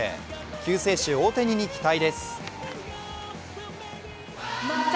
救世主・大谷に期待です。